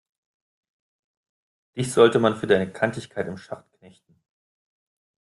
Dich sollte man für deine Kantigkeit im Schacht knechten!